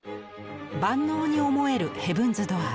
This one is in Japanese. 万能に思える「ヘブンズ・ドアー」。